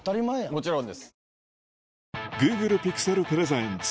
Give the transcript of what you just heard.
もちろんです。